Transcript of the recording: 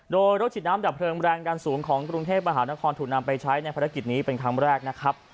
โดยรถฉีดน้ำดับเพลิงแรงดันสูงของกรุงเทพมหานครถูกนำไปใช้ในภารกิจนี้เป็นครั้งแรกนะครับ